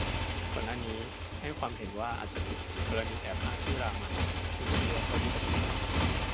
ก่อนหน้านี้ให้ความเห็นว่าอาจจะผิด กรณีแอบอ้างชื่อ รามา จึงนำเรื่องเข้าที่ประชุมครับ